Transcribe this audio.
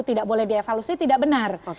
tidak boleh dievaluasi tidak benar